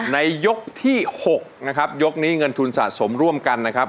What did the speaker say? ในยกที่๖นะครับยกนี้เงินทุนสะสมร่วมกันนะครับ